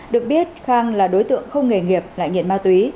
được biết khang là đối tượng không nghề nghiệp lại nghiện ma túy